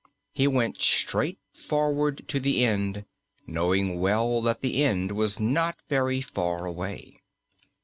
He went straight forward to the end, knowing well that the end was not very far away.